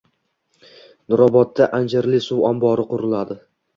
Nurobodda “Anjirli” suv ombori quriladi